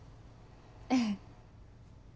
ええ。